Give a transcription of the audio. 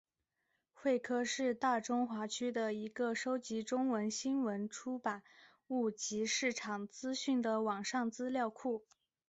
慧科是大中华区的一个收集中文新闻出版物及市场资讯的网上资料库。